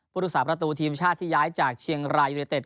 พุทธศาสประตูทีมชาติที่ย้ายจากเชียงรายยูเนเต็ด